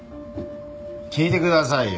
聞いてくださいよ。